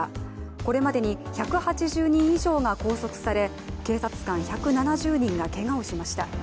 これまでに１８０人以上が拘束され、警察官１７０人がけがをしました。